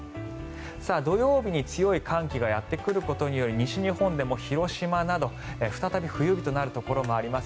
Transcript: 土曜日に強い寒気がやってくることにより西日本でも広島など再び冬日となるところもあります。